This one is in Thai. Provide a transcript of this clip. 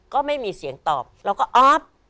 ก็ไม่มีเสียงตอบเราก็อ๊อฟ